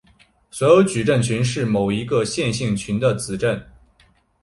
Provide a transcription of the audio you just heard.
所有矩阵群是某个一般线性群的子群。